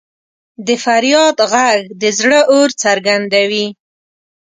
د فریاد ږغ د زړه اور څرګندوي.